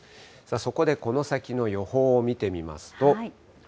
そこでこの先の予報を見てみますと。